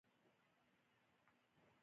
خپل ځان را سره دی بغاوت کوم